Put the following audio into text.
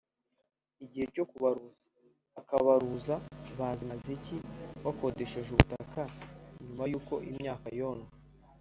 igihe cyo kubaruza hakabaruza Bazimaziki wakodesheje ubutaka nyuma y’uko imyaka yonwe